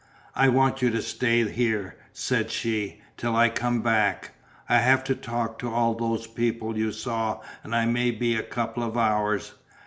"I want you to stay here," said she, "till I come back. I have to talk to all those people you saw and I may be a couple of hours.